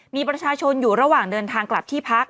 มีประชาชนอยู่ระหว่างเดินทางกลับที่พัก